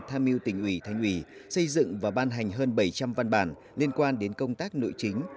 tham mưu tỉnh ủy thành ủy xây dựng và ban hành hơn bảy trăm linh văn bản liên quan đến công tác nội chính